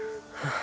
あ。